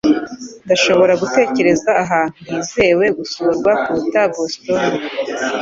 Ndashobora gutekereza ahantu hizewe gusurwa kuruta Boston